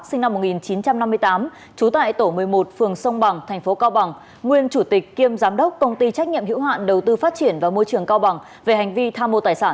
sinh năm một nghìn chín trăm năm mươi tám trú tại tổ một mươi một phường sông bằng tp cao bằng nguyên chủ tịch kiêm giám đốc công ty trách nhiệm hữu hạn đầu tư phát triển và môi trường cao bằng về hành vi tham mô tài sản